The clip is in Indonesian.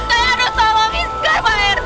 saya ada usaha manggis sekar pak rt